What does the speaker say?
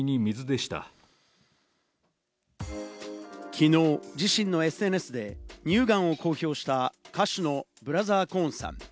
きのう、自身のＳＮＳで乳がんを公表した歌手のブラザー・コーンさん。